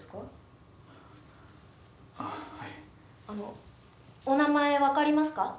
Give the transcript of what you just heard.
あのお名前分かりますか？